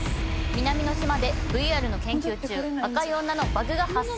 南の島でＶＲの研究中赤い女のバグが発生。